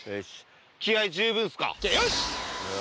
気合十分ですか？